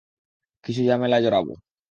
কিছু ঝামেলায় জড়াবো।